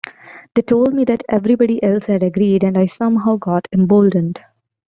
They told me that everybody else had agreed and I somehow got emboldened.